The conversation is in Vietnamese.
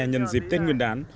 nhân dịp tết nguyên đán